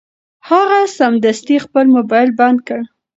هغه سمدستي خپل مبایل بند کړ.